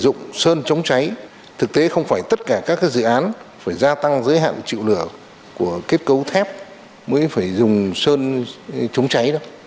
liên quan đến sử dụng sơn chống cháy thực tế không phải tất cả các dự án phải gia tăng giới hạn chịu lửa của kết cấu thép mới phải dùng sơn chống cháy đó